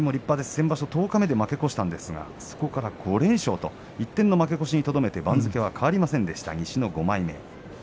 先場所十日目負け越しましたがそこから５連勝と１点の負け越しにとどめて番付を変えませんでした。